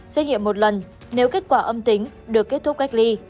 xét nghiệm một lần nếu kết quả âm tính được kết thúc cách ly